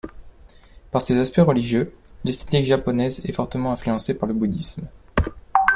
Par ses aspects religieux, l'esthétique japonaise est fortement influencée par le bouddhisme.